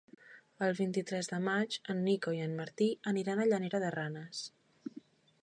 El vint-i-tres de maig en Nico i en Martí aniran a Llanera de Ranes.